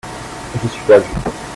Je suis perdu.